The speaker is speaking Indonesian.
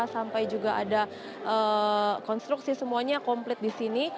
sampai juga ada konstruksi semuanya komplit di sini